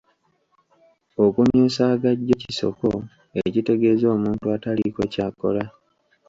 Okumyusa agajjo kisoko ekitegeeza omuntu ataliiko ky'akola.